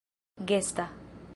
gesta